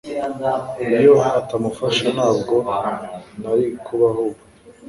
Iyo atamufasha ntabwo nari kubaho ubu